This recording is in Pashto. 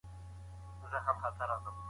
افغان قبایل بدلون ته چمتو کېدای شي.